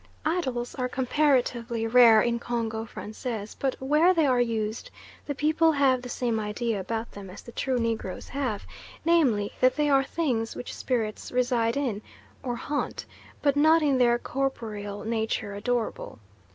Idols are comparatively rare in Congo Francais, but where they are used the people have the same idea about them as the true Negroes have, namely, that they are things which spirits reside in, or haunt, but not in their corporeal nature adorable.